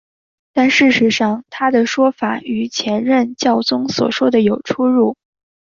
但事实上他的说法与前任教宗所说的有出入。